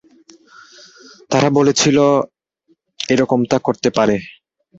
তারা বলেছিল এরকমটা করতে পারে!